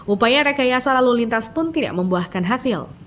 upaya rekayasa lalu lintas pun tidak membuahkan hasil